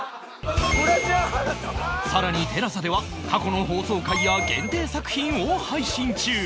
さらに ＴＥＬＡＳＡ では過去の放送回や限定作品を配信中